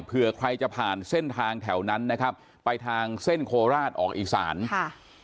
เผื่อใครจะผ่านเส้นทางแถวนั้นนะครับไปทางเส้นโคราชออกอีสานค่ะ